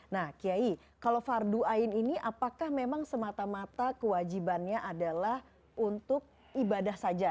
nah kiai kalau fardu ain ini apakah memang semata mata kewajibannya adalah untuk ibadah saja